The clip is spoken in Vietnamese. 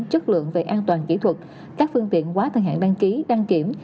chất lượng về an toàn kỹ thuật các phương tiện quá thời hạn đăng ký đăng kiểm